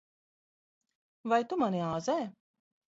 Vai tu mani āzē?